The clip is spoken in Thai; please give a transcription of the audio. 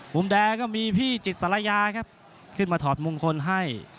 มุมแดงก็มีพี่จิตศาลายาครับขึ้นมาถอดมงคลให้